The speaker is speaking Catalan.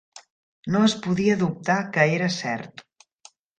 No es podia dubtar que era cert.